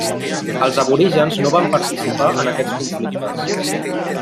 Els aborígens no van participar en aquests conflictes.